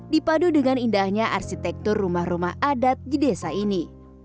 dipadu dengan indahnya arsitektur rumah rumah adat di desa ini